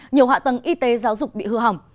nhiều hạ tầng y tế giáo dục bị hư hỏng